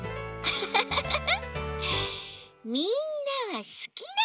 フフフフフ。